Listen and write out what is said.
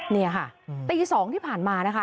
นี่ค่ะตี๒ที่ผ่านมานะคะ